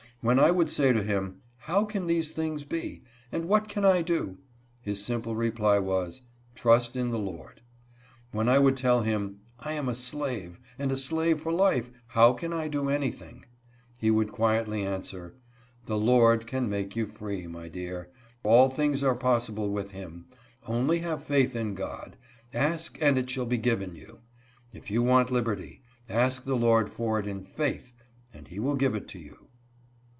When I would say to him, "How can these things be ? and what can I do ?" his simple reply was, " Trust in the LordP When I would tell him, " I am a slave, and a slave for life, how can I do anything ?" he would quietly answer, " The Lord caiijnake^you fr ee, my A FRIENDLY IRISHMAN. 113 dear ; all things are possible with Him ; only have faith in God. ' Ask, and jt„.sJiaILJbe given you.' If you want liberty, ask the Lord for it in faith, and He will give it to you.